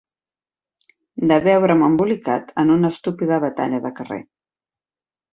...de veure'm embolicat en una estúpida batalla de carrer